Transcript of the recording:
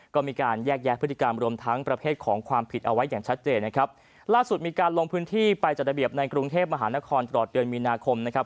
ก็มีการแยกแยะพฤติกรรมรวมทั้งประเภทของความผิดเอาไว้อย่างชัดเจนนะครับล่าสุดมีการลงพื้นที่ไปจัดระเบียบในกรุงเทพมหานครตลอดเดือนมีนาคมนะครับ